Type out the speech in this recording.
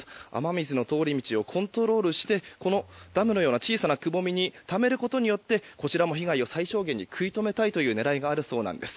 雨水の通り道をコントロールしてダムのような小さなくぼみにためることによって被害を最小限に食い止めたい狙いがあるそうです。